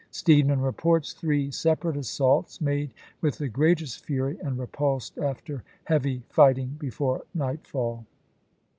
Steedman reports three separate assaults, made with the greatest fury, and repulsed after heavy Ibid., p. 860. fighting, before nightfall.